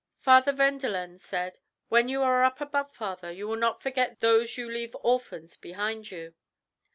Father Wendolen said, "When you are up above, father, you will not forget those you leave orphans behind you?"